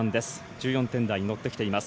１４点台に乗ってきています。